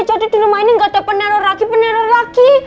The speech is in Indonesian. di rumah ini nggak ada peneror lagi peneror lagi